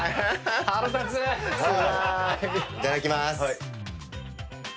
いただきます。